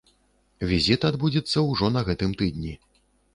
Візіт адбудзецца ўжо на гэтым тыдні.